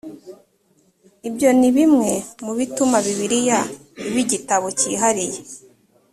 ibyo ni bimwe mu bituma bibiliya iba igitabo cyihariye.